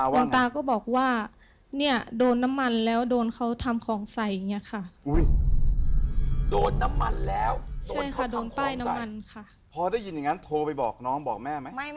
หลวงตาก็บอกว่าเนี่ยโดนน้ำมันแล้วโดนเขาทำของใส่อย่างนี้ค่ะ